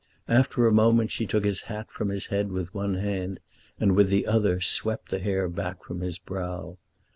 After a moment she took his hat from his head with one hand, and with the other swept the hair back from his brow.